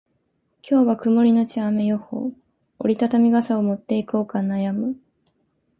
今日は曇りのち雨予報。折り畳み傘を持っていこうか悩む。